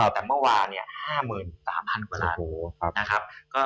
แต่เมื่อวาน๕๓๐๐กว่าล้านนะครับ